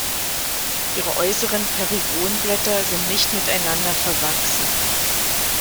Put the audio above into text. Ihre äußeren Perigonblätter sind nicht miteinander verwachsen.